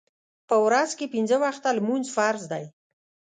په ورځ کې پینځه وخته لمونځ فرض دی.